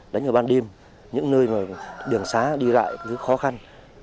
đánh ở ban đêm những nơi đường xá đi lại rất khó khăn